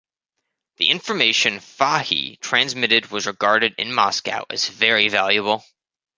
The information Fahy transmitted was regarded in Moscow as very valuable.